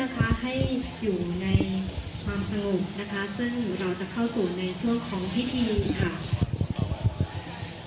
ซึ่งเราจะเข้าสู่ในเสื้อของพิธีค่ะ